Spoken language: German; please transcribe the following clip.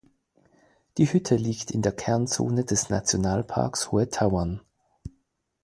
Die Hütte liegt in der Kernzone des Nationalparks Hohe Tauern.